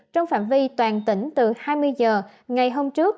trong phạm vi toàn tỉnh từ hai mươi h ngày hôm trước